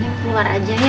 nenek keluar aja ya